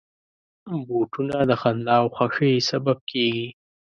بوټونه د خندا او خوښۍ سبب کېږي.